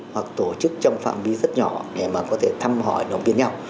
hoặc tổ chức trong phạm vi rất nhỏ để mà có thể thăm hỏi động viên nhau